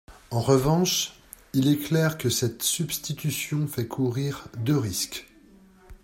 En revanche, il est clair que cette substitution fait courir deux risques.